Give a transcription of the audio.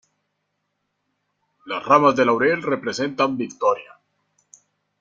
Las ramas de laurel representan victoria.